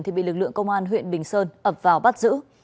thì bị lực lượng công an huyện bình sơn ập vào bắt giữ